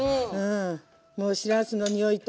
もうしらすのにおいと。